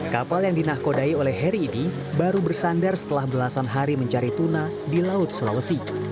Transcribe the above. kapal yang dinakodai oleh heri ini baru bersandar setelah belasan hari mencari tuna di laut sulawesi